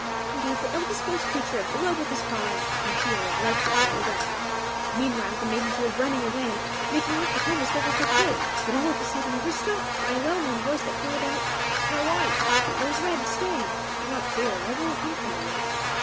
He gave the ill disposed creature a blow with his paw, and he lay lifeless on the ground. Meanwhile, the maidens were running away, making off for home as well as they could; but all of a sudden they were stopped by a well known voice that called out, "Snow White, Rose Red, stay! Do not fear. I will accompany you."